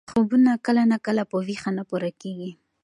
خوبونه کله ناکله په ویښه نه پوره کېږي.